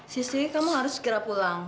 sisi kamu harus segera pulang